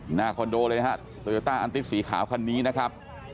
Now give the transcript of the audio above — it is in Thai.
คอนโดเลยนะฮะโตโยต้าอันติสีขาวคันนี้นะครับ